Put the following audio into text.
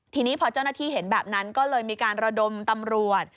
ทีนี้พอเจ้าหน้าที่เห็นแบบนั้นก็เลยมีการระดมตำรวจ